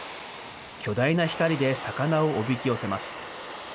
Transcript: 巨大な光で魚をおびき寄せます。